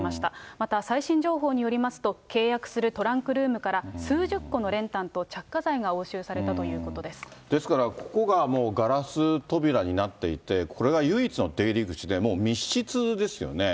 また最新情報によりますと、契約するトランクルームから数十個の練炭と着火剤が押収されたとですから、ここがもうガラス扉になっていて、これが唯一の出入り口で、もう密室ですよね。